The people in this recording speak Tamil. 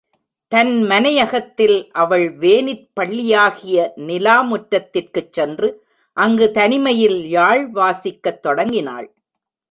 தன் மனையகத்தில் அவள் வேனிற் பள்ளியாகிய நிலா முற்றத்திற்குச் சென்று அங்குத் தனிமையில் யாழ் வாசிக்கத் தொடங்கினாள்.